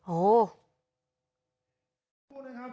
โอ๊ย